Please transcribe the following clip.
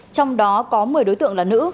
trong đó có một mươi đối tượng là nữ